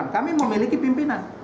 kami memiliki pimpinan